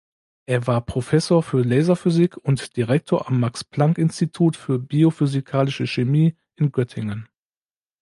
Er war Professor für Laserphysik und Direktor am Max-Planck-Institut für biophysikalische Chemie in Göttingen.